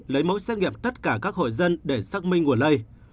lấy mẫu xét nghiệm tất cả các hội dân để xác minh nguồn lây